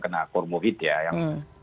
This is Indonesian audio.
kena kormofit ya yang